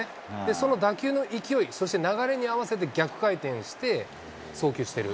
その打球の勢い、そして流れに合わせて逆回転して、送球してる。